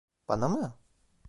Bana mı?